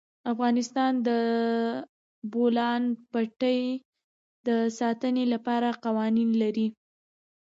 افغانستان د د بولان پټي د ساتنې لپاره قوانین لري.